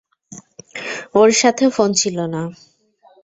ওর সাথে ফোন ছিল না।